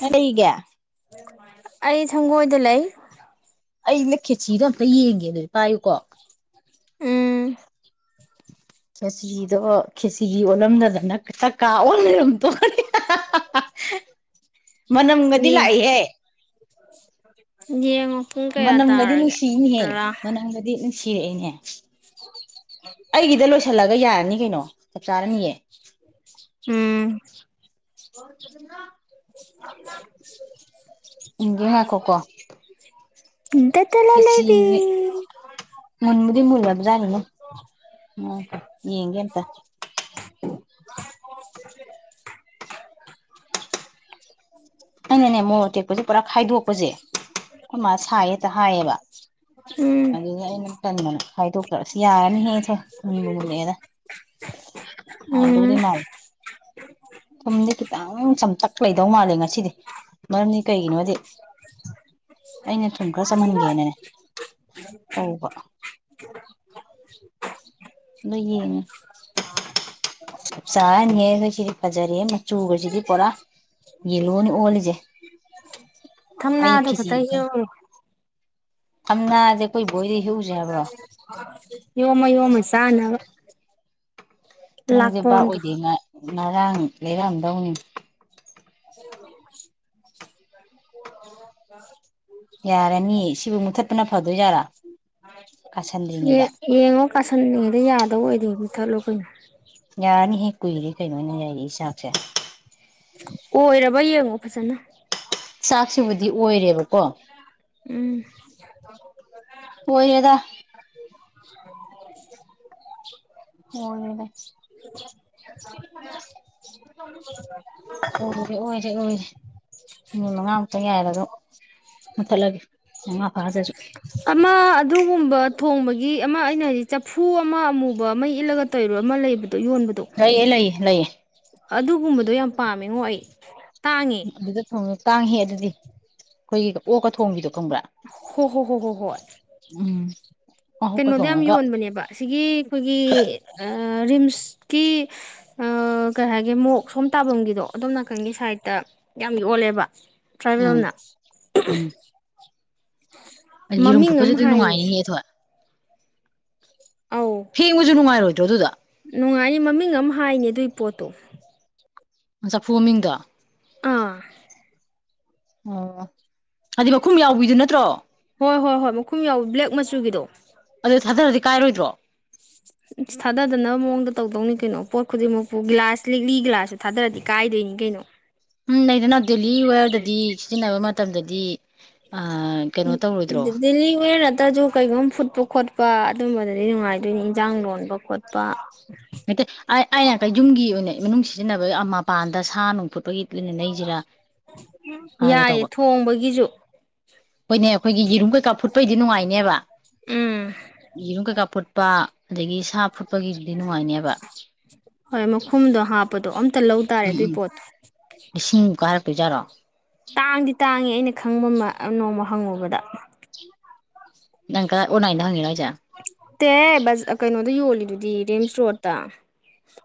ꯂꯩꯒꯦ ꯑꯩ ꯁꯪꯒꯣꯏꯗ ꯂꯩ ꯑꯩꯩꯅ ꯈꯦꯠꯁꯤꯗꯣ ꯑꯝꯇ ꯌꯦꯡꯒꯦ ꯑꯗꯨꯗꯤ ꯄꯥꯏꯌꯨꯀꯣ ꯎꯝ ꯈꯦꯁꯤꯗꯣ ꯈꯦꯁꯤꯒꯤ ꯑꯣꯜꯂꯝꯗꯗꯅ ꯇ ꯀꯥ ꯑꯣꯜ ꯂꯩꯔꯝꯗꯣꯛꯅꯤ ꯃꯅꯝꯒꯗꯤ ꯂꯥꯛꯏꯍꯦ ꯌꯦꯡꯉꯣ ꯄꯨꯡ ꯀꯌꯥ ꯃꯅꯝꯒꯗꯤ ꯇꯥꯔꯒꯦ ꯅꯨꯡꯁꯤꯅꯤꯍꯦ ꯇꯔꯥ ꯃꯅꯝꯒꯗꯤ ꯁꯤꯔꯛꯏꯅꯦ ꯑꯩꯒꯤꯗ ꯂꯣꯏꯁꯤꯜꯂꯒ ꯌꯥꯔꯅꯤ ꯀꯩꯅꯣ ꯆꯞ ꯆꯥꯔꯅꯤꯌꯦ ꯎꯝ [inaudible] ꯎꯟꯒꯦ ꯉꯥꯏꯈꯣꯀꯣ [unintelligible] [unintelligible] ꯀꯦꯁꯤ ꯂꯩꯕꯤ ꯃꯟꯃꯨꯗꯤ ꯃꯕꯨꯂꯅ [inaudible] ꯌꯦꯒꯦ [unintelligible] ꯑꯩꯅꯅꯦ ꯃꯣꯔꯣꯛ ꯇꯦꯛꯄꯁꯦ ꯄꯨꯔꯥ ꯈꯥꯏꯗꯣꯛꯄꯁꯦ ꯑꯩꯈꯣꯏ ꯃꯥ ꯁꯥꯏ ꯍꯦꯛꯇ ꯍꯥꯏꯌꯦꯕ ꯎꯝ ꯑꯗꯨꯗ ꯑꯩꯅ ꯀꯟꯗꯅ ꯍꯥꯏꯗꯣꯛꯇ꯭ꯔ ꯁꯤ ꯌꯥꯔꯅꯤ ꯍꯦ ꯈꯕꯅꯤꯂꯛꯑꯦꯅ ꯎꯝ [unintelligible] ꯁꯨꯝꯗꯤ ꯈꯤꯇꯪ ꯆꯝꯇꯛ ꯂꯩꯗꯧ ꯃꯥꯜꯂꯦ ꯉꯁꯤꯗꯤ ꯃꯔꯝꯗꯤ ꯀꯩꯒꯤꯅꯣꯗꯤ ꯑꯩꯅ ꯊꯨꯝ ꯈꯔ ꯆꯝꯍꯟꯒꯦꯅꯦ ꯇꯧꯕ ꯑꯗꯨꯏ ꯌꯦꯡꯉꯦ ꯆꯥꯛ ꯆꯥꯅꯤꯍꯦ ꯑꯩꯈꯣꯏꯁꯤꯗꯤ ꯐꯖꯔꯦ ꯃꯆꯨꯒꯁꯤꯗꯤ ꯄꯨꯔꯥ ꯌꯦꯂꯣꯅꯤ ꯑꯣꯂꯖꯦ ꯑꯩ ꯊꯝꯅꯥꯗꯣ ꯈꯛꯇ [unintelligible] ꯌꯣꯝꯃꯨ ꯁꯝꯅꯗꯤ ꯑꯩꯈꯣꯏ ꯕꯣꯏꯗꯤ ꯍꯦꯛꯎꯁꯦ ꯍꯥꯏꯕ꯭ꯔꯣ ꯌꯣꯃ ꯌꯣꯃ ꯁꯅꯕ ꯅꯪꯗꯤ ꯕꯥꯥꯛ ꯑꯣꯏꯗꯦ ꯉꯔꯥꯡ ꯂꯩꯔꯥꯡꯗꯧꯅꯤ [unintelligible] ꯌꯥꯔꯅꯤ ꯁꯤꯕꯨ ꯃꯨꯊꯠꯄꯅ ꯐꯗꯣꯏꯖꯥꯔꯥ ꯀꯥꯁꯟꯗ꯭ꯔꯤꯉꯩꯗ ꯌꯦꯡꯉꯣ ꯀꯥꯁꯟꯉꯩꯗ ꯌꯥꯗꯕ ꯑꯣꯏꯗꯦ ꯄꯤꯊꯠꯂꯨ ꯀꯩꯅꯣ ꯌꯥꯔꯅꯤ ꯍꯦꯛ ꯀꯨꯏꯔꯦ ꯀꯩꯅꯣ ꯑꯣꯏꯅ ꯌꯥꯏꯔ ꯆꯥꯛꯁꯦ ꯑꯣꯏꯔꯕ ꯌꯦꯡꯉꯣ ꯐꯖꯅ ꯆꯥꯛꯁꯤꯕꯨꯗꯤ ꯑꯣꯏꯔꯦꯕꯀꯣ ꯎꯝ [unintelligible] ꯑꯣꯏꯔꯦꯗ [unintelligible] ꯑꯣꯏꯔꯦ ꯑꯣꯏꯔꯦ ꯑꯣꯏꯔꯦ ꯅꯨꯃꯤꯠ ꯃꯉꯥꯃꯨꯛꯇꯪ ꯌꯥꯏꯔ ꯃꯨꯊꯠꯂꯒꯦ ꯃꯉꯥ ꯐꯥꯖꯁꯨ ꯑꯃ ꯑꯗꯨꯒꯨꯝꯕ ꯊꯣꯡꯕꯒꯤ ꯑꯃ ꯑꯩꯅ ꯍꯥꯏꯗꯤꯛ ꯆꯐꯨ ꯑꯃ ꯑꯃꯨꯕ ꯑꯃ ꯏꯜꯂꯒ ꯇꯩꯔꯣ ꯑꯃ ꯂꯩꯕꯗꯣ ꯌꯣꯟꯕꯗꯣ ꯂꯩꯌꯦ ꯂꯩꯌꯦ ꯂꯩꯌꯦ ꯑꯗꯨꯒꯨꯝꯕꯗꯣ ꯌꯥꯝ ꯄꯥꯝꯃꯦꯉꯣ ꯑꯩ ꯇꯥꯡꯉꯤ ꯑꯗꯨꯗ ꯊꯣꯡꯉꯦ ꯇꯥꯡ ꯍꯦꯛ ꯑꯗꯨꯗꯤ ꯑꯩꯈꯣꯏꯒꯤꯒ ꯑꯣꯛꯀ ꯊꯣꯡꯕꯤꯗꯣ ꯈꯪꯕ꯭ꯔꯥ ꯍꯣ ꯍꯣ ꯍꯣꯏ ꯍꯣꯏ ꯍꯣꯏ ꯎꯝ ꯃꯍꯣꯛꯀ ꯀꯩꯅꯣꯗ ꯌꯥꯝ ꯊꯣꯡꯉꯒ ꯌꯣꯟꯕꯅꯦꯕ ꯑꯁꯤꯒꯤ ꯑꯈꯣꯏꯒꯤ ꯑꯥ - ꯔꯤꯝꯁꯀꯤ ꯑꯥ - ꯀꯩ ꯍꯥꯏꯒꯦ ꯃꯣꯛ ꯁꯣꯝ ꯇꯥꯕꯝꯒꯤꯗꯣ ꯑꯗꯣꯝ ꯅꯥꯀꯟꯒꯤ ꯁꯥꯏꯗꯇ ꯌꯥꯝ ꯌꯣꯜꯂꯦꯕ ꯎꯝ ꯇ꯭ꯔꯥꯏꯕꯦꯜꯅ ꯎꯝ [unintelligible] ꯌꯦꯔꯨꯝ ꯃꯃꯤꯡ ꯐꯨꯠꯄꯁꯨ ꯑꯃ ꯑꯗꯨꯝ ꯍꯥꯏꯅꯦ ꯅꯨꯡꯉꯥꯏꯅꯤꯍꯦ ꯑꯊꯣꯏ ꯑꯧ ꯐꯦꯡꯕꯖꯨ ꯅꯨꯡꯉꯥꯏꯔꯣꯏꯗ꯭ꯔꯣ ꯑꯗꯨꯗꯣ ꯅꯨꯡꯉꯥꯏꯅꯤ ꯃꯃꯤꯡ ꯑꯃ ꯍꯥꯏꯅꯦ ꯑꯗꯨꯏ ꯄꯣꯠꯇꯣ ꯉꯥ ꯆꯐꯨ ꯃꯃꯤꯡꯗꯣ ꯑꯥ ꯑꯣ ꯍꯥꯏꯗꯤ ꯃꯈꯨꯝ ꯌꯥꯎꯕꯤꯗꯨ ꯅꯠꯇ꯭ꯔꯣ ꯍꯣꯏ ꯍꯣꯏ ꯍꯣꯏ ꯃꯈꯨꯝ ꯌꯥꯎꯋ ꯕ꯭ꯂꯦꯛ ꯃꯆꯨꯒꯤꯗꯣ ꯑꯗꯨ ꯊꯥꯗꯔꯗꯤ ꯀꯥꯏꯔꯣꯏꯗ꯭ꯔꯣ [inaudible] ꯊꯥꯗꯗꯅꯕ ꯃꯑꯣꯡꯗ ꯇꯧꯗꯧꯅꯤ ꯀꯩꯅꯣ ꯄꯣꯠ ꯈꯨꯗꯤꯡꯃꯛꯄꯨ ꯒꯤꯂꯥꯁ ꯂꯤꯛꯂꯤ ꯒꯤꯂꯥꯁꯁꯨ ꯊꯥꯗꯔꯗꯤ ꯀꯥꯏꯗꯣꯏꯅꯤ ꯀꯩꯅꯣ ꯎꯝ ꯅꯩꯗꯅ ꯗꯦꯂꯤ ꯋꯦꯔꯗꯗꯤ ꯁꯤꯖꯤꯟꯅꯕ ꯃꯇꯝꯗꯗꯤ ꯀꯩꯅꯣ ꯎꯝ ꯇꯧꯔꯣꯏꯗ꯭ꯔꯣ ꯗꯜꯂꯤ [unintelligible] ꯅꯠꯇꯁꯨ ꯀꯩꯒꯨꯝ ꯐꯨꯠꯄ ꯈꯣꯠꯄ ꯑꯗꯨꯝꯕꯗꯗꯤ ꯅꯨꯡꯉꯥꯏꯗꯣꯏꯅꯦ ꯏꯟꯖꯥꯡ ꯂꯣꯟꯕ ꯈꯣꯠꯄ ꯅꯠꯇꯦ ꯑꯩ - ꯑꯩꯅ ꯀꯩ ꯌꯨꯝꯒꯤ ꯑꯣꯏꯅ ꯃꯅꯨꯡ ꯁꯤꯖꯤꯟꯅꯕꯒꯤ ꯑꯥ ꯃꯄꯥꯟꯗ ꯁꯥ ꯅꯨꯡ ꯐꯨꯠꯄꯒꯤ ꯂꯩꯅ ꯂꯩꯁꯤꯔꯥ ꯍꯥꯏꯒꯦ ꯌꯥꯏꯌꯦ ꯇꯧꯕ ꯊꯣꯡꯕꯒꯤꯖꯨ ꯍꯣꯏꯅꯦ ꯑꯈꯣꯏꯒꯤ ꯌꯦꯔꯨꯝ ꯀꯩꯀꯥ ꯐꯨꯠꯄꯩꯗꯤ ꯅꯨꯡꯉꯥꯏꯅꯤꯕ ꯎꯝ ꯌꯦꯔꯨꯝ ꯀꯩꯀꯥ ꯐꯨꯠ ꯄꯥ ꯑꯗꯒꯤ ꯁꯥ ꯐꯨꯠꯄꯒꯤꯗꯤ ꯅꯨꯡꯉꯥꯏꯅꯦꯕ ꯍꯣꯏ ꯃꯈꯨꯝꯗꯣ ꯍꯥꯞꯄꯗꯣ ꯑꯝꯇ ꯂꯧ ꯇꯥꯥꯔꯦ ꯑꯗꯨꯏ ꯄꯣꯠꯇꯣ ꯂꯤꯁꯤꯡꯃꯨꯛ ꯀꯥꯔꯛꯇꯣꯏ ꯖꯥꯠꯂꯣ ꯇꯥꯡꯗꯤ ꯇꯥꯡꯉꯦ ꯑꯩꯅ ꯈꯪꯕ ꯃꯥ ꯅꯣꯡꯃ ꯍꯪꯉꯨꯕꯗ ꯅꯪ ꯀꯥ ꯑꯣꯟꯂꯥꯏꯟꯗ ꯍꯪꯉꯤꯔꯣ ꯍꯥꯏꯖꯦ ꯇꯦ ꯍꯦ ꯕꯖ - ꯑꯥ - ꯀꯩꯅꯣꯗ ꯌꯣꯜꯂꯤꯗꯨꯗꯤ ꯔꯤꯝꯁ ꯔꯣꯠ ꯇ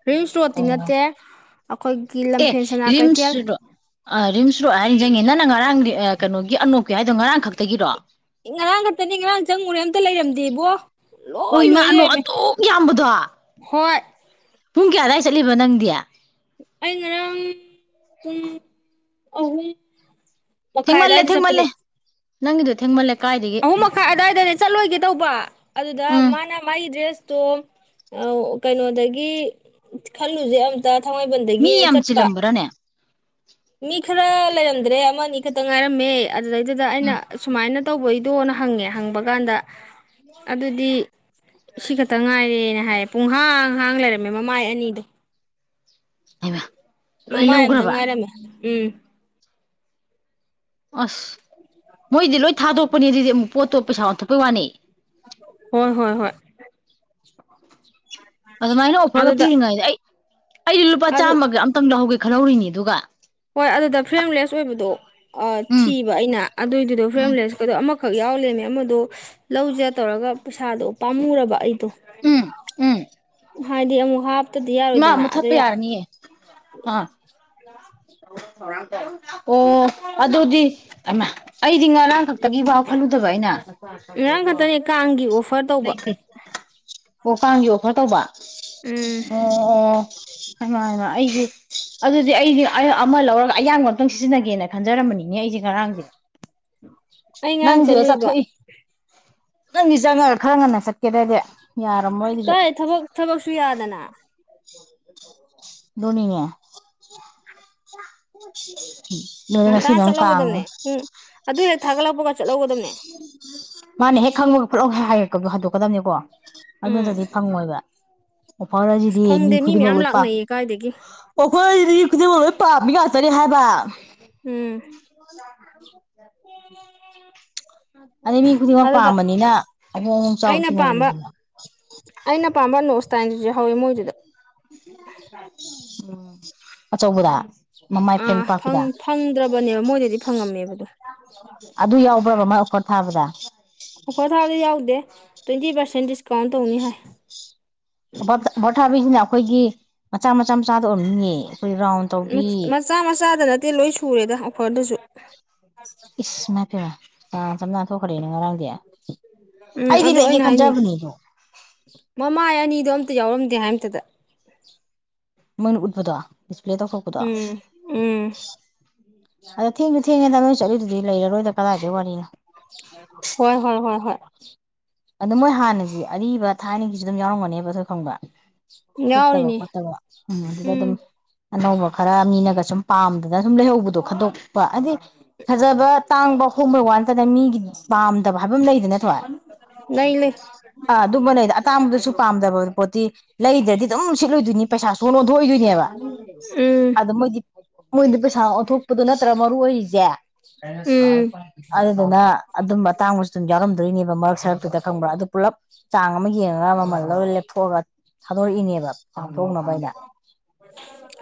ꯔꯤꯡꯁ ꯔꯣꯠꯇꯇꯤ ꯑꯣ ꯅꯠꯇꯦ ꯑꯈꯣꯏꯒꯤ ꯂꯝꯐꯦꯟ ꯁꯅꯥ ꯀꯩꯊꯦꯜ ꯑꯥ ꯔꯤꯝꯁꯔꯣꯗ ꯍꯥꯏꯔ ꯅꯤꯡꯖꯤꯡꯉꯦ ꯅꯪꯅ ꯉꯔꯥꯡ ꯒꯤ ꯑꯥ ꯀꯩꯅꯣꯒꯤ ꯑꯅꯣꯛꯀꯤ ꯍꯥꯏꯗꯣ ꯉꯔꯥꯡ ꯈꯛꯇꯒꯤꯔꯣ ꯉꯔꯥꯡ ꯈꯛꯇꯅꯦ ꯉꯔꯥꯡ ꯆꯪꯉꯨꯔꯦ ꯑꯝꯇ ꯂꯩꯔꯝꯗꯦꯕꯣ ꯂꯣꯏ ꯑꯣꯏ ꯃꯥ ꯂꯣꯏ ꯑꯅꯣꯞ ꯂꯩꯔꯝꯃꯦ ꯑꯗꯨꯛ ꯌꯥꯝꯕꯗꯣ ꯍꯣꯏ ꯄꯨꯡ ꯀꯌꯥ ꯑꯗꯥꯏ ꯆꯠꯂꯤꯕ ꯅꯪꯗꯤ ꯑꯩ ꯉꯔꯥꯡ ꯄꯨꯡ ꯑꯍꯨꯝ ꯃꯈꯥꯏ ꯊꯦꯡꯃꯜꯂꯦ ꯑꯗꯨꯋꯥꯏꯗ ꯆꯠꯄꯅꯦ ꯊꯦꯡꯃꯜꯂꯦ ꯅꯪꯒꯤꯗꯣ ꯊꯦꯡꯃꯜꯂꯦ ꯀꯥꯏꯗꯒꯤ ꯑꯍꯨꯝ ꯃꯈꯥꯏ ꯑꯗꯥꯏꯗꯅꯦ ꯆꯠꯂꯣꯏꯒꯦ ꯇꯧꯕ ꯑꯗꯨꯗ ꯎꯝ ꯃꯥꯅ ꯃꯥꯏ ꯗ꯭ꯔꯦꯁꯇꯣ ꯑꯥꯎ ꯀꯩꯅꯣꯗꯒꯤ ꯈꯜꯂꯨꯖꯦ ꯑꯝ ꯇ ꯃꯤ ꯊꯪꯃꯩꯕꯟꯗꯒꯤ ꯌꯥꯝ ꯆꯠꯄ ꯆꯤꯜꯂꯝꯕ꯭ꯔꯥꯅꯦ ꯃꯤ ꯈꯔ ꯂꯩꯔꯝꯗ꯭ꯔꯦ ꯑꯃꯅꯤ ꯈꯇ ꯉꯥꯏꯔꯝꯃꯦ ꯑꯗꯨꯗꯩꯗꯨꯗ ꯑꯩꯅ ꯎꯝ ꯁꯨꯃꯥꯏꯅ ꯇꯧꯕꯩꯗꯣꯅ ꯍꯪꯉꯦ ꯍꯪꯕ ꯀꯥꯟꯗ ꯑꯗꯨꯗꯤ ꯁꯤ ꯈꯛꯇ ꯉꯥꯏꯔꯦꯅ ꯍꯥꯏꯌꯦ ꯄꯨꯡꯍꯥꯡꯍꯥꯡ ꯂꯩꯔꯝꯃꯦ ꯃꯃꯥꯏ ꯑꯅꯤꯗꯣ ꯍꯩꯃꯥ ꯂꯣꯏ ꯃꯃꯥꯏ ꯑꯝꯇꯪ ꯂꯧꯒ꯭ꯔꯕ ꯉꯥꯏꯔꯝꯃꯦ ꯎꯝ ꯑꯁ ꯃꯣꯏꯗꯤ ꯂꯣꯏ ꯊꯥꯗꯣꯛꯄꯅꯦ ꯑꯗꯨꯗꯤ ꯑꯃꯨꯛ ꯄꯣꯠꯇꯣ ꯄꯩꯁꯥ ꯑꯣꯟꯊꯣꯛꯄꯩ ꯋꯥꯅꯤ ꯍꯣꯏ ꯍꯣꯏ ꯍꯣꯏ ꯑꯗꯨꯃꯥꯏꯅ ꯑꯣꯐꯔꯒ ꯑꯗꯨꯗ ꯄꯤꯔꯤꯉꯩꯗ ꯑꯩ ꯑꯩꯗꯤ ꯂꯨꯄꯥ ꯑꯗꯨ ꯆꯥꯝꯃꯒ ꯑꯝꯇꯪ ꯂꯧꯍꯧꯒꯦ ꯈꯜꯍꯧꯔꯤꯅꯤ ꯑꯗꯨꯒ ꯍꯣꯏ ꯑꯗꯨꯗ ꯐ꯭ꯔꯦꯝꯂꯦꯁ ꯑꯣꯏꯕꯗꯣ ꯑꯥ ꯎꯝ ꯊꯤꯕ ꯑꯩꯅ ꯑꯗꯨꯏꯗꯨꯗꯣ ꯎꯝ ꯐ꯭ꯔꯦꯝꯂꯦꯁ ꯀꯗꯣ ꯑꯃꯈꯛ ꯌꯥꯎ ꯂꯩꯝꯃꯦ ꯑꯃꯗꯣ [unintelligible] ꯂꯧꯖꯦ ꯇꯧꯔꯒ ꯄꯩꯁꯥꯗꯣ ꯄꯥꯝꯃꯨꯔꯕ ꯑꯩꯗꯣ ꯎꯝ ꯎꯝ ꯍꯥꯏꯗꯤ ꯑꯃꯨꯛ ꯍꯥꯞꯇꯗꯤ ꯏꯃꯥ ꯌꯥꯔꯣꯏꯗꯅ ꯑꯗꯨ ꯃꯨꯠꯊꯠꯄ ꯌꯥ ꯌꯥꯔꯅꯤꯌꯦ ꯑꯥ ꯑꯣ ꯑꯗꯨꯗꯤ ꯑꯩꯗꯤ ꯉꯔꯥꯡꯈꯛ ꯇꯒꯤꯐꯎ ꯈꯜꯂꯨꯗꯕ ꯑꯩꯅ ꯉꯔꯥꯡ ꯈꯛꯇꯅꯦ ꯀꯥꯡꯒꯤ ꯑꯣꯐꯔ ꯇꯧꯕ ꯂꯩꯇꯦ ꯑꯣ ꯀꯥꯡꯒꯤ ꯑꯣꯐꯔ ꯇꯧꯕ ꯎꯝ ꯑꯣ ꯑꯣ ꯑꯗꯨꯃꯅ ꯑꯩꯁ ꯑꯗꯨꯗꯤ ꯑꯩꯗꯤ ꯑꯃ ꯂꯧꯔꯒ ꯑꯌꯥꯝꯡꯕ ꯑꯝꯛꯇꯪ ꯁꯤꯖꯤꯟꯅꯒꯦꯅ ꯈꯟꯖꯔꯝꯕꯅꯤꯅꯦ ꯑꯩꯁꯦ ꯉꯔꯥꯡꯁꯦ ꯑꯩ ꯉꯔꯥꯡ ꯅꯪꯗꯤ ꯍ ꯆꯠꯂꯨꯏꯕ ꯆꯠꯊꯣꯛꯏ ꯅꯪꯗꯤ ꯆꯪꯉ ꯈꯔ ꯉꯟꯅ ꯆꯠꯀꯦꯗꯏꯗꯤ ꯀꯥꯏ ꯊꯕꯛ ꯊꯕꯛꯁꯨ ꯌꯥꯗꯅ [inaudible] ꯗꯣꯅꯤꯡꯉꯦ [inaudible] [unintelligible] ꯂꯣꯏꯔꯦ ꯉꯁꯤꯅꯃꯨꯛ ꯀꯥꯡꯉꯨ ꯎꯝ ꯑꯗꯨ ꯍꯦꯛ ꯊꯥꯒꯠꯂꯛꯄꯒ ꯆꯠꯍꯧꯒꯗꯕꯅꯦ ꯃꯥꯅ ꯍꯦꯛ ꯈꯪꯕꯒ ꯈꯨꯠꯂꯥꯎ ꯍꯥ -ꯍꯥꯏ ꯔꯛꯀ - ꯍꯥꯏꯗꯣꯛꯀꯗꯕꯅꯤꯀꯣ ꯑꯗꯨ ꯎꯝ ꯅꯠꯇ꯭ꯔꯗꯤ ꯐꯪꯉꯣꯏꯕ ꯑꯣꯐꯔ ꯑꯁ ꯍꯥꯏꯖꯤꯗꯤ ꯃꯤ ꯐꯪꯗꯦ ꯈꯨꯗꯤꯡꯃꯛ ꯃꯌꯥꯝ ꯂꯣꯏ ꯄꯝ ꯂꯥꯛꯅꯩꯌꯦ ꯀꯥꯏꯗꯒꯤ ꯑꯣꯈꯣꯏꯗꯤ ꯈꯨꯗꯤꯡꯃꯛ ꯂꯣꯏ ꯄꯥꯝꯃꯤ ꯉꯥꯛꯇꯅꯤ ꯍꯥꯏꯕ ꯎꯝ [inaudible] ꯎ ꯑꯗꯩ ꯃꯤ ꯈꯨꯗꯤꯡꯃꯛ ꯑꯗꯨꯗ ꯄꯥꯝꯕꯅꯤꯅ ꯍꯕꯨꯡ ꯑꯃ ꯆꯥꯎ ꯑꯩꯅ ꯄꯥꯝꯕ ꯊꯤꯅꯕꯅꯤꯗꯨꯅ ꯑꯩꯅ ꯄꯥꯝꯕ ꯅꯣꯁꯇꯥꯏꯟꯗꯨꯁꯨ ꯍꯧꯋꯦ ꯃꯣꯏꯗꯨꯗ ꯎꯝ ꯑꯆꯧꯕꯗ ꯃꯃꯥꯏ ꯐ꯭ꯔꯦꯝ ꯑꯥ ꯄꯥꯛꯄꯤꯗ ꯐꯪꯗ꯭ꯔꯕꯅꯦꯕ ꯃꯣꯏꯗꯗꯤ ꯐꯪꯉꯝꯃꯦꯕꯗꯣ ꯑꯗꯨ ꯌꯥꯎꯕ꯭ꯔꯕ ꯃꯥ ꯑꯣꯀꯣꯔꯠ ꯊꯥꯕꯗ ꯑꯣꯐꯣꯔ ꯊꯥꯎꯗꯤ ꯌꯥꯎꯗꯦ ꯇ꯭ꯋꯦꯟꯇꯤ ꯄꯥꯔꯁꯦꯟ ꯗꯤꯁꯀꯥꯎꯟ ꯇꯧꯅꯤ ꯍꯥꯏ ꯕꯣꯊꯥꯕꯤꯁꯤꯅ ꯑꯩꯈꯣꯏꯒꯤ ꯃꯆꯥ ꯃꯆꯥ ꯃꯆꯥꯗ ꯑꯣꯏꯔꯝꯅꯤꯡꯉꯦ ꯑꯩꯈꯣꯏ ꯔꯥꯎꯟ ꯇꯧꯕꯤ ꯃꯆꯥ ꯃꯆꯥꯗ ꯅꯠꯇꯦ ꯂꯣꯏ ꯁꯨꯔꯦꯗ ꯑꯣꯐꯔꯗꯁꯨ ꯏꯁ ꯃ ꯄꯦꯃ ꯆꯝ ꯅꯥ ꯊꯣꯛꯈ꯭ꯔꯦꯅ ꯉꯔꯥꯡꯗꯤ ꯎꯝ ꯑꯩꯗꯤ ꯑꯗꯨ ꯂꯩꯒꯦ ꯑꯩꯅ ꯍꯥꯏꯅꯤ ꯈꯟꯖꯕꯅꯦ ꯑꯗꯣ ꯃꯃꯥ ꯑꯅꯤꯗꯣ ꯑꯝꯇ ꯌꯥꯎꯔꯝꯗꯦ ꯍꯥꯏ ꯑꯃꯇꯗ ꯃꯣꯏꯅ ꯎꯠꯄꯗꯣ ꯗꯤꯁꯄ꯭ꯂꯦ ꯇꯧꯊꯣꯛꯄꯗꯣ ꯎꯝ ꯎꯝ ꯑꯗ ꯊꯦꯡꯅ ꯊꯦꯡꯉꯦꯗ ꯅꯣꯏ ꯆꯠꯂꯤꯗꯨꯗꯤ ꯂꯩꯔꯔꯣꯏꯗ ꯀꯗꯥꯏꯗꯩ ꯋꯥꯔꯤꯅꯣ ꯍꯣꯏ ꯍꯣꯏ ꯍꯣꯏ ꯍꯣꯏ ꯑꯗꯣ ꯃꯣꯏ ꯍꯥꯟꯅꯁꯤ ꯑꯔꯤꯕ ꯊꯥꯏꯅꯒꯤꯁꯨ ꯑꯗꯨꯝ ꯌꯥꯎꯔꯝꯒꯅꯦꯕ ꯑꯩꯈꯣꯏ ꯈꯪꯕ ꯁꯨꯠꯇꯕ ꯌꯥꯎꯔꯤꯅꯤ ꯈꯣꯠꯇꯕ ꯎꯝ ꯑꯗꯨꯗ ꯑꯗꯨꯝ ꯑꯅꯧꯕ ꯈꯔ ꯃꯤꯅꯒ ꯁꯨꯝ ꯄꯥꯝꯗꯅ ꯁꯨꯝ ꯂꯩꯍꯧꯕꯗꯣ ꯈꯟꯗꯣꯛꯄ ꯍꯥꯏꯗꯤ ꯐꯖꯕ ꯇꯥꯡꯕ ꯍꯣꯡꯕꯩ ꯋꯥ ꯅꯠꯇꯅ ꯃꯤꯒꯤꯗꯤ ꯄꯥꯝꯗꯕ ꯍꯥꯏꯕ ꯑꯃ ꯂꯩꯗ ꯅꯠꯇ꯭ꯔꯣ ꯂꯩ ꯂꯩ ꯑꯥ ꯑꯗꯨꯝꯕ ꯂꯩꯗ ꯑꯇꯥꯡꯕꯗꯁꯨ ꯄꯥꯝꯗꯕ ꯄꯣꯠꯇꯤ ꯂꯩꯗ꯭ꯔꯗꯤ ꯑꯗꯨꯝ ꯁꯤꯠꯂꯨꯗꯣꯏꯅꯤ ꯄꯩꯁꯥ ꯁꯣꯟ ꯂꯣꯟꯊ ꯊꯣꯛꯏꯗꯣꯏꯅꯦꯕ ꯎꯝ ꯑꯗ ꯃꯣꯏꯗꯤ ꯃꯣꯏꯗꯤ ꯄꯩꯁꯥ ꯑꯣꯟꯊꯣꯛꯄꯗꯣ ꯅꯠꯇ꯭ꯔꯒ ꯃꯔꯨ ꯑꯣꯏꯔꯤꯁꯦ ꯎꯝ ꯑꯗꯨꯗꯨꯅ ꯑꯗꯨꯝ ꯑꯇꯥꯡꯕꯁꯨ ꯑꯗꯨꯝ ꯌꯥꯎꯔꯝꯗꯣꯏꯅꯦꯕ ꯃꯔꯛ ꯁꯔꯛꯇꯨꯗ ꯈꯪꯕ꯭ꯔꯥ ꯑꯗꯨ ꯄꯨꯂꯞ ꯆꯥꯡ ꯑꯃ ꯌꯦꯡꯉꯒ ꯃꯃꯜꯗ ꯂꯦꯞꯊꯣꯛꯑꯒ ꯊꯥꯗꯣꯔꯛꯏꯅꯦꯕ ꯆꯥꯛꯗꯧꯅꯕꯥꯏꯗ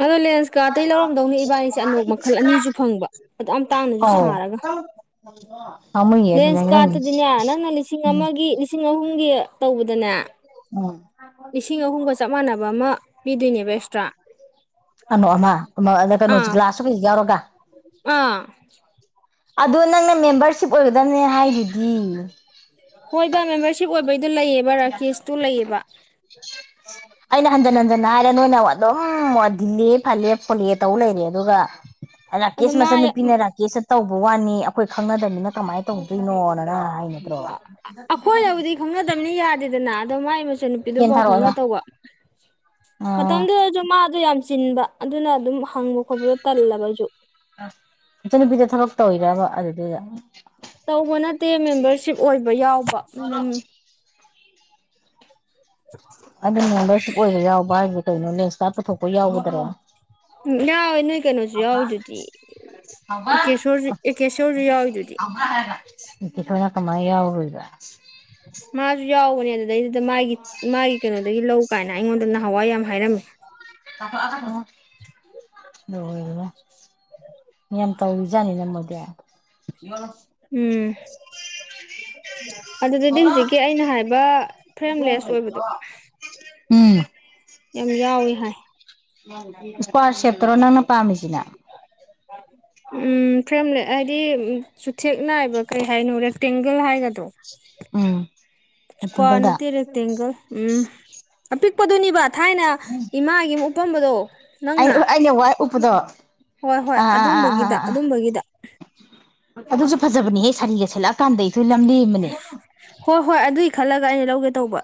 ꯑꯗꯣ ꯂꯦꯟꯁꯀ ꯑꯇꯩ ꯂꯧꯔꯝꯗꯧꯅꯦ ꯏꯕꯥꯅꯤꯁꯦ ꯑꯅꯣꯛ ꯃꯈꯜ ꯑꯅꯤꯁꯨ ꯐꯪꯕ ꯑꯗꯨ ꯌꯥꯝ ꯇꯥꯡꯅꯁꯨ ꯁꯥꯔꯒ ꯍ ꯍ ꯂꯦꯟꯁ ꯀꯥꯔꯠꯇꯗꯤꯅꯦ ꯅꯪꯅ ꯂꯤꯁꯤꯡ ꯑꯃꯒꯤ ꯂꯤꯁꯤꯡ ꯑꯍꯨꯝꯒꯤ ꯇꯧꯕꯗꯅꯦ ꯎꯝ ꯂꯤꯁꯤꯡ ꯑꯍꯨꯝꯒ ꯆꯞ ꯃꯥꯟꯅꯕ ꯑꯃ ꯄꯤꯗꯣꯏꯅꯦꯕ ꯑꯦꯛꯁꯇ꯭ꯔꯥ ꯑꯅꯣ ꯑꯃ ꯑꯃ ꯑꯗ ꯀꯩꯅꯣ ꯑꯥ ꯒ꯭ꯂꯥꯁꯁꯨ ꯌꯥꯎꯔꯒ ꯑꯥ ꯑꯗꯣ ꯅꯪꯅ ꯃꯦꯝꯕꯔꯁꯤꯞ ꯑꯣꯏꯒꯗꯕꯅꯦ ꯍꯥꯏꯗꯨꯗꯤ ꯍꯣꯏꯕ ꯃꯦꯝꯕꯔꯁꯤꯞ ꯑꯣꯏꯕꯩꯗꯣ ꯂꯩꯑꯕ ꯔꯥꯀꯦꯁꯇꯨ ꯂꯩꯑꯕ ꯑꯩꯅ ꯍꯟꯖꯟ ꯍꯟꯖꯟꯅ ꯍꯥꯏꯔꯦ ꯅꯣꯏꯅ ꯑꯗꯨꯝ ꯋꯥ ꯗꯤꯜꯂꯦ ꯐꯜꯂꯦ ꯐꯣꯠꯂꯦ ꯇꯧ ꯂꯩꯔꯦ ꯑꯗꯨꯒ ꯑ ꯑꯗꯣ ꯔꯥꯀꯦꯁ ꯃꯥ ꯃꯆꯟ ꯅꯨꯄꯤꯅꯦ ꯔꯥꯀꯦꯁ ꯇꯧꯕ ꯋꯥꯅꯤ ꯑꯩꯈꯣꯏ ꯈꯪꯅꯗꯕꯕꯅꯤꯅ ꯀꯃꯥꯏ ꯇꯧꯗꯣꯏꯅꯣꯅ ꯅꯪꯅ ꯍꯥꯏ ꯅꯇꯔꯣ ꯑꯩꯈꯣꯏꯅꯕꯨꯗꯤ ꯈꯪꯅꯗꯕꯅꯤ ꯌꯥꯗꯦꯗꯅ ꯑꯗꯣ ꯃꯒꯤ ꯃꯆꯟ ꯅꯨꯄꯤꯗꯣ ꯐꯦꯟ ꯄꯥꯎ ꯐꯥꯎꯅ ꯊꯥꯔꯛꯑꯣꯅ ꯇꯧꯕ ꯑꯥ ꯃꯇꯝꯗꯨ ꯑꯗꯣ ꯃꯥꯗꯣ ꯌꯥꯝ ꯆꯤꯟꯕ ꯑꯗꯨꯅ ꯑꯗꯨꯝ ꯍꯪꯕ ꯈꯣꯠꯄꯗꯣ ꯇꯜꯂꯕ ꯑꯩꯁꯨ ꯑ ꯏꯆꯟꯅꯨꯄꯤꯗꯣ ꯊꯕꯛ ꯇꯧꯋꯤꯔꯕ ꯑꯗꯨꯗꯨꯗ ꯇꯧꯕ ꯅꯠꯇꯦ ꯃꯦꯝꯕꯔꯁꯤꯞ ꯑꯣꯏꯕ ꯌꯥꯎꯕ ꯎꯝ ꯑꯗꯨ ꯃꯦꯝꯕꯔꯁꯤꯞ ꯑꯣꯏꯕ ꯌꯥꯎꯕ ꯍꯥꯏꯗꯤ ꯀꯩꯅꯣ ꯂꯦꯛꯁꯀ ꯄꯨꯊꯣꯛꯄ ꯌꯥꯎꯒꯗ꯭ꯔꯣ ꯎꯝ ꯌꯥꯎꯋꯦ ꯅꯣꯏ ꯀꯩꯅꯣꯁꯨ ꯌꯥꯎꯋꯤꯗꯨꯗꯤ ꯑꯦꯀꯦꯁꯣꯔꯁꯨ ꯑꯦꯀꯦꯁꯣꯔꯁꯨ ꯌꯥꯎꯋꯤꯗꯨꯗꯤ ꯇꯤ ꯊꯅ ꯀꯃꯥꯏꯅ ꯌꯥꯎꯔꯣꯏꯕ ꯃꯥꯁꯨ ꯌꯥꯎꯕꯅꯦ ꯑꯗꯨꯗꯩꯗꯨꯗ ꯃꯥꯒꯤ ꯃꯥꯒꯤ ꯀꯩꯅꯣꯗꯒꯤ ꯂꯧ ꯀꯥꯏꯅ ꯑꯩꯉꯣꯟꯗ ꯅꯍꯥꯟꯋꯥꯏ ꯌꯥꯝꯅ ꯍꯥꯏꯔꯝꯃꯤ ꯇ ꯑꯣ ꯂ ꯌꯥꯝ ꯌꯥꯝ ꯇꯧꯔꯤꯖꯥꯠꯅꯤꯅ ꯃꯣꯏꯗꯤ ꯎꯝ ꯑꯗꯨꯗꯗꯤ ꯍꯧꯖꯤꯛꯀꯤ ꯑꯩꯅ ꯍꯥꯏꯕ ꯐ꯭ꯔꯦꯝꯂꯦꯁ ꯑꯣꯏꯕꯗꯣ ꯎꯝ ꯌꯥꯝ ꯌꯥꯎꯋꯦ ꯍꯥꯏ ꯏꯁꯀ꯭ꯋꯥꯔ ꯁꯦꯞꯇꯔꯣ ꯅꯪꯅ ꯄꯥꯝꯃꯤꯁꯤꯅ ꯎꯝ ꯐ꯭ꯔꯦꯝꯂꯦꯠ ꯍꯥꯏꯗꯤ ꯆꯨꯊꯦꯛ ꯅꯥꯏꯕ ꯀꯩ ꯍꯥꯏꯅꯣ ꯔꯦꯛꯇꯦꯡꯒꯜ ꯍꯥꯏꯒꯗ꯭ꯔꯣ ꯎꯝ ꯏꯁꯀ꯭ꯋꯥꯔ ꯔꯦꯛꯇꯦꯡꯒꯜꯗ ꯅꯠꯇꯦ ꯔꯦꯛꯇꯦꯡꯒꯜ ꯎꯝ ꯑꯄꯤꯛꯄꯗꯨꯅꯤꯕ ꯊꯥꯏꯅ ꯏꯃꯥꯒꯤ ꯑꯝ ꯄꯝꯕꯗꯣ ꯑꯩ ꯎ ꯑꯩꯅ ꯋꯥꯏ ꯎꯄꯗꯣ ꯑꯥ ꯍꯣꯏ ꯍꯣꯏ ꯑꯥ ꯑꯥ ꯑꯥ ꯑꯗꯨꯝꯕꯒꯤꯗ ꯑꯥꯑꯥ ꯑꯗꯨꯝꯕꯒꯤꯗ ꯑꯗꯨꯁꯨ ꯐꯖꯕꯅꯤꯍꯦ ꯁꯥꯔꯤꯒ ꯁꯦꯠꯂꯛꯑꯀꯥꯟꯗ ꯏꯆꯦ ꯂꯝ ꯂꯦꯝꯕꯅꯦ ꯍꯣꯏ ꯍꯣꯏ ꯑꯗꯨꯏ ꯈꯜꯂꯒ ꯑꯩꯅ ꯂꯧꯒꯦ ꯇꯧꯕ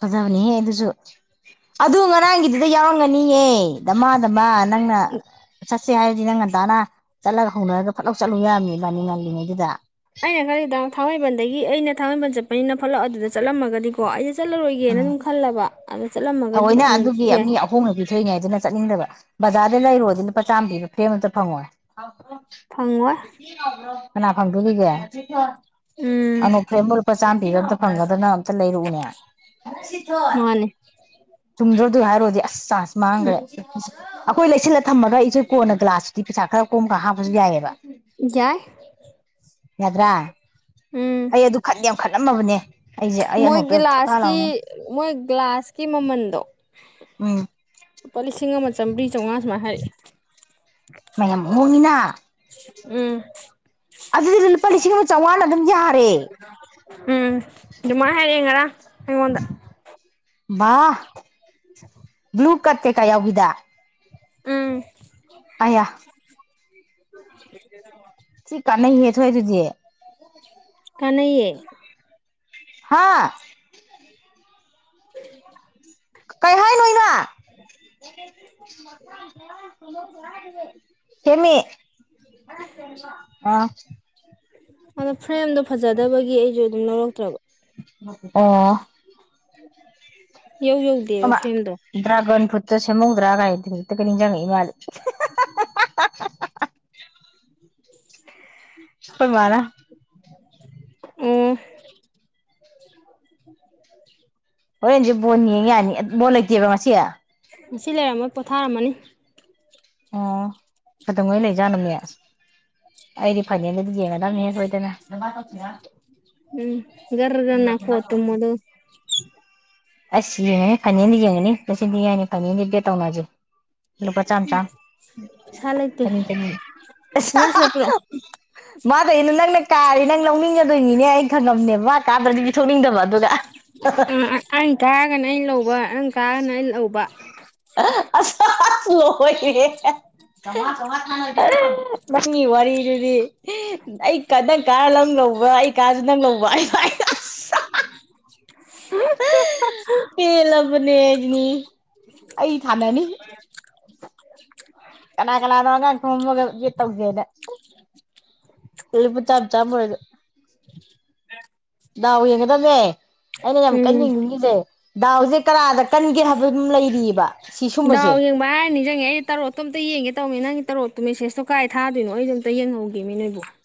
ꯐꯖꯕꯅꯤꯍꯦ ꯑꯗꯨꯁꯨ ꯑꯗꯨ ꯉꯔꯥꯡꯒꯤꯗꯨꯗ ꯌꯥꯎꯔꯝꯒꯅꯤꯌꯦ ꯗꯃ ꯗꯃ ꯅꯪꯅ ꯆ ꯁꯦ ꯍꯥꯏꯔꯗꯤ ꯅꯪ ꯉꯟꯇꯥꯅ ꯆꯠꯂꯒ ꯍꯧꯅꯔꯒ ꯐꯠꯂꯥꯎ ꯆꯠꯂꯨ ꯌꯥꯔꯝꯅꯤ ꯏꯕꯥꯏꯅꯤ ꯉꯜꯂꯤꯉꯩꯗꯨꯗ ꯑꯩꯅ ꯈꯜꯂꯤꯗ ꯊꯥꯡꯃꯩꯕꯟꯗꯒꯤ ꯑꯩꯅ ꯊꯥꯡꯃꯩꯕꯟ ꯆꯠꯄꯅꯤꯅ ꯐꯠꯂꯧ ꯑꯗꯨꯗ ꯆꯠꯂꯝꯃꯒꯗꯤ ꯀꯣ ꯑꯩꯁꯦ ꯆꯠꯂꯔꯣꯏꯒꯦꯅ ꯎꯝ ꯑꯗꯨꯝ ꯈꯜꯂꯕ ꯑꯗꯣ ꯆꯠꯂꯝꯃꯒꯗꯤ ꯐꯪꯕꯁꯨ ꯌꯥꯏ ꯍꯣꯡꯅ ꯄꯤꯊꯣꯛꯏꯉꯥꯏꯗꯨꯅ ꯆꯠꯅꯤꯡꯗꯕ ꯕꯖꯥꯔꯗ ꯂꯩꯔꯨꯔꯗꯤ ꯂꯨꯄꯥ ꯆꯥꯝꯃ ꯄꯤ ꯐ꯭ꯂꯦꯝ ꯑꯝꯇ ꯐꯪꯉꯣꯏ ꯐꯪꯉꯣꯏ ꯀꯅꯥ ꯐꯪꯗꯣꯔꯤꯒꯦ ꯎꯝ ꯑꯅꯣꯛ ꯐꯂꯦꯝꯕꯨ ꯂꯨꯄꯥ ꯆꯥꯝꯃ ꯄꯤꯕ ꯑꯝꯇ ꯐꯪꯒꯗꯅ ꯑꯝꯇ ꯂꯩꯔꯛꯎꯅꯦ ꯃꯥꯅꯦ ꯆꯨꯝꯗ꯭ꯔꯣ ꯑꯗꯨꯏ ꯍꯥꯏꯔꯣꯗꯤ ꯑꯁ ꯆꯥꯟꯁ ꯥꯑꯁ ꯃꯥꯡꯒꯔꯦ ꯑꯩꯈꯣꯏ ꯂꯩꯁꯤꯜꯂ ꯊꯝꯃꯒ ꯏꯆꯦ ꯀꯣꯟꯅ ꯒ꯭ꯂꯥꯁꯇꯨꯗꯤ ꯄꯩꯁꯥ ꯈꯔ ꯀꯣꯝ ꯀꯟ ꯍꯥꯞꯄꯁꯨ ꯌꯥꯏꯑꯕ ꯌꯥꯏ ꯌꯥꯗ꯭ꯔꯥ ꯎꯝ ꯑꯩ ꯑꯗꯨ ꯈꯟꯗꯤ ꯌꯥꯝ ꯈꯠꯂꯝꯃꯕꯅꯦ ꯑꯩꯁꯦ ꯑꯩ ꯑꯅꯣꯛꯇꯣ [unintelligible] ꯀꯤ ꯃꯣꯏ ꯒ꯭ꯂꯥꯁꯀꯤ ꯃꯃꯟꯗꯣ ꯎꯝ ꯂꯨꯄꯥ ꯂꯤꯁꯤꯡ ꯑꯃ ꯆꯥꯝꯔꯤ ꯆꯥꯝꯉꯥ ꯁꯨꯃꯥꯏ ꯍꯥꯏꯔꯛꯑꯦ ꯃ ꯌꯝ ꯍꯣꯡꯉꯤꯅ ꯎꯝ ꯑꯗꯨꯗꯤ ꯂꯨꯂꯨꯄꯥ ꯂꯤꯁꯤꯡ ꯑꯃ ꯆꯥꯝꯉꯥꯅ ꯑꯗꯨꯝ ꯌꯥ ꯎꯝ ꯗꯨꯃꯥꯏ ꯍꯥꯏꯔꯛꯑꯦ ꯉꯔꯥꯡ ꯑꯩꯉꯣꯟꯗ ꯕꯥ ꯕ꯭ꯂꯨ ꯀꯠ ꯀꯩ ꯀꯥ ꯌꯥꯎꯕꯤꯗ ꯎꯝ ꯑꯩꯌꯥ [unintelligible] ꯁꯤ ꯀꯥꯟꯅꯩꯍꯦ ꯊꯣꯏ ꯑꯗꯨꯗꯤ ꯀꯟꯅꯩꯌꯦ ꯍꯥꯥ ꯎ ꯀꯩ ꯍꯥꯏ ꯅꯣ ꯏꯃꯥ ꯑꯦꯝꯃꯦ ꯑꯥ ꯑꯗꯣ ꯐ꯭ꯔꯦꯝꯗꯣ ꯐꯖꯗꯕꯒꯤ ꯑꯩꯁꯨ ꯑꯗꯨꯝ ꯂꯧꯔꯛꯇ꯭ꯔꯕ ꯑꯣ ꯏꯌꯧ ꯌꯧꯗꯦꯕ ꯐꯂꯦꯝꯗꯣ ꯗ꯭ꯔꯒꯟ ꯐ꯭ꯔꯨꯠꯇꯣ ꯁꯦꯝꯍꯧꯗꯔꯥ ꯒꯥꯏꯅ ꯗꯤꯅꯤꯛꯇꯒ ꯅꯤꯡꯖꯪꯉꯥꯛꯏ ꯃꯥꯜꯂꯦ ꯈꯣꯏꯃꯥꯂ ꯎꯝ ꯍꯣꯔꯦꯟꯁꯦ ꯕꯣꯜ ꯌꯦꯡ ꯌꯥꯅꯤ ꯕꯜ ꯂꯩꯇꯦꯕ ꯉꯁꯤ ꯃꯁꯤ ꯂꯩꯔꯝꯃꯣꯏ ꯄꯣꯊꯥꯔꯝꯃꯅꯤ ꯑꯣ ꯀꯗꯉꯩ ꯂꯩꯖꯥꯠꯅꯦ ꯃꯦꯁ ꯑꯩꯗꯤ ꯐꯥꯏꯅꯦꯜꯗꯗꯤ ꯌꯦꯡꯉꯅꯤ ꯃꯤ ꯀꯗꯅ ꯎꯝ ꯒꯔ ꯒꯔ ꯅꯥꯀꯣꯛ ꯇꯨꯝꯃꯣ [unintelligible] ꯑꯗꯨꯒ ꯑꯁ ꯌꯦꯡꯉꯅꯤ ꯐꯅꯦꯜ ꯗꯤ ꯌꯦꯡꯉꯅꯤ ꯂꯁꯤ ꯉꯥꯏꯅꯤ ꯐꯅꯍꯗꯤ ꯕꯦꯇꯧꯅꯥꯁꯦ ꯍꯂꯨꯄꯥ ꯆꯥꯃ ꯆꯥꯝ ꯄꯩꯁꯥ ꯂꯩꯇꯦ ꯆꯅꯤ ꯆꯅꯤ ꯁꯅꯥ ꯁꯤꯗ ꯄꯤꯔꯛꯑꯣ ꯃꯥꯊ ꯏꯅꯤ ꯏ ꯅꯪꯅꯦ ꯀꯥꯔꯦ ꯅꯪ ꯂꯧꯅꯤꯡꯒꯗꯣꯏꯅꯤꯅꯦ ꯑꯩ ꯈꯪꯉꯕꯅꯦꯕ ꯃꯥ ꯀꯥꯗ꯭ꯔꯗꯤ ꯄꯤꯊꯣꯛꯅꯤꯡꯗꯕ ꯑꯗꯨꯒ ꯑꯩ ꯀꯥꯔꯒꯅ ꯑꯩ ꯂꯧꯕ ꯅꯪ ꯀꯥꯔꯒꯅ ꯑꯩ ꯂꯧꯕ ꯑ ꯑ ꯂꯦꯢꯂꯦꯍꯦ [unintelligible] ꯅꯪꯒꯤ ꯋꯥꯔꯤꯗꯨꯗꯤ ꯑꯩ ꯅꯪ ꯀꯥꯔ ꯅꯪ ꯂꯧꯕ ꯑꯩ ꯀꯥꯔꯁꯨ ꯅꯪ ꯂꯧꯕ ꯑꯩ ꯄꯦꯜꯂꯕꯅꯦ ꯍꯥꯏꯅꯤ ꯑꯩ ꯊꯥꯅꯅꯤ ꯀꯅꯥ ꯀꯅꯥꯅꯣ ꯑꯉꯥꯡ ꯈꯝꯃꯒꯒ ꯇꯧꯒꯦꯅ ꯂꯨꯄꯥ ꯆꯥꯝꯃ ꯆꯥꯝꯃ ꯑꯣꯏꯗ [inaudible] ꯗꯥꯎ ꯌꯦꯡꯒꯗꯕꯅꯦ ꯑꯩꯅ ꯌꯥꯝ ꯀꯟꯅ ꯎꯝ ꯌꯦꯡꯅꯤꯡꯉꯁꯦ ꯗꯥꯎꯁꯦ ꯀꯔꯥꯗ ꯀꯟꯒꯦ ꯍꯥꯏꯕꯗꯨꯝ ꯂꯩꯔꯤꯕꯔꯤꯑꯕ ꯌꯥꯎ ꯌꯦꯡꯕ ꯍꯥꯢꯔ ꯅꯤꯡꯖꯤꯡꯉꯦ ꯇꯔꯣꯠꯇꯣ ꯑꯃꯇ ꯌꯦꯡꯒꯦ ꯇꯧꯅꯦ ꯅꯪ ꯇꯔꯣꯠꯇꯣ ꯃꯦꯁꯦꯁꯇꯣ ꯀꯥꯏ ꯊꯗꯣꯏꯅꯣ ꯑꯩꯗ ꯑꯝꯇ ꯌꯦꯡꯍꯧꯒꯦ ꯅꯣꯏꯕꯣ